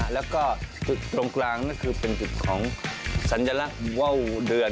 แล้วก็ตรงกลางก็คือเป็นจุดของสัญละเว้าเดือน